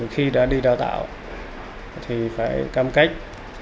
khi đã đi đào tạo thì phải cam cách